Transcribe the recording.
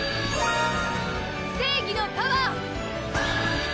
正義のパワー！